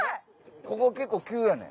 ここ結構急やねん。